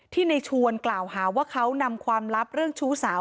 ในชวนกล่าวหาว่าเขานำความลับเรื่องชู้สาว